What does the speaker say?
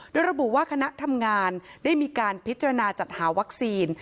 โดยระบุว่าคณะทำงานได้มีการพิจารณาจัดหาวัคซีน